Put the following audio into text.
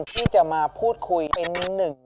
ที่จะมาพูดคุยเป็นหนึ่ง